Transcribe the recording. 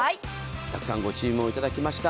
たくさんご注文いただきました。